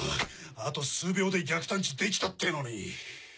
あと数秒で逆探知できたってのに！